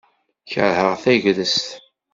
Kerheɣ tagrest.